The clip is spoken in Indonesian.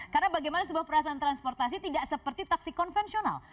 karena bagaimana sebuah perusahaan transportasi tidak seperti taksi konvensional